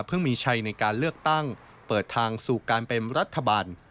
เพื่อมีชัยในการเลือกตั้งเปิดทางสู่การเป็นรัฐบาล